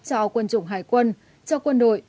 cho quân chủng hải quân cho quân đội